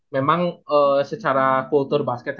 memang secara kultur basketnya